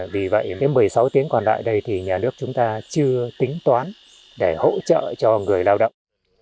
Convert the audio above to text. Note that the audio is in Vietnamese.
vì vậy đến một mươi sáu tiếng còn lại đây thì nhà nước chúng ta chưa tính toán để hỗ trợ cho người lao động